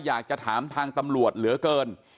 อยากจะถามทางตำรวจเหลือเกิน